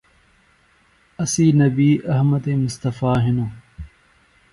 اسی نبیﷺ احمد مصطفٰے ہنوۡ۔